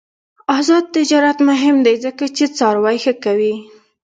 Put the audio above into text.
آزاد تجارت مهم دی ځکه چې څاروي ښه کوي.